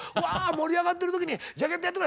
盛り上がってる時に「ジャケットやって下さい」。